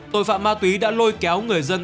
tội phạm ma túy đã lôi kéo người dân